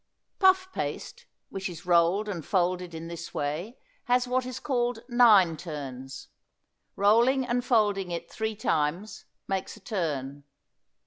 Puff paste, which is rolled and folded in this way, has what is called nine turns. Rolling and folding it three times makes a turn.